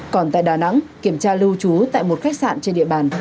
còn tại đà nẵng kiểm tra lưu trú tại một khách sạn trên địa bàn